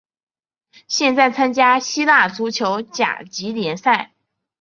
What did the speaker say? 现在参加希腊足球甲级联赛。